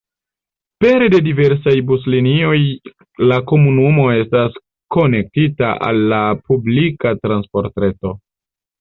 Pere de diversaj buslinioj la komunumo estas konektita al la publika transportreto.